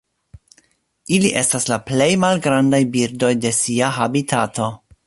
Ili estas la plej malgrandaj birdoj de sia habitato.